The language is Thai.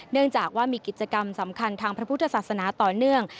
เนื่องจากว่ามีกิจกรรมสำคัญทางพระพุทธศาสนาต่อเนื่อง